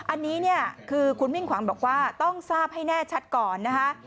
อันนี้เนี่ยคือคุณมิ่งขวัญบอกว่าต้องทราบให้แน่ชัดก่อนนะคะ